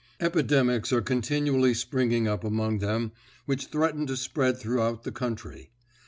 Epidemics are continually springing up among them which threaten to spread throughout the country.